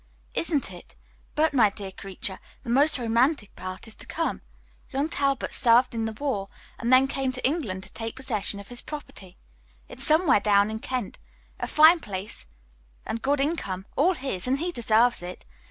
"Isn't it? But, my dear creature, the most romantic part is to come. Young Talbot served in the war, and then came to England to take possession of his property. It's somewhere down in Kent, a fine place and good income, all his; and he deserves it.